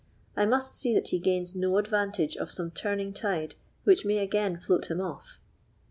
I must see that he gains no advantage of some turning tide which may again float him off.